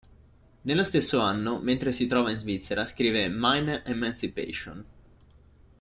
Nello stesso anno, mentre si trova in Svizzera, scrive "Meine Emancipation.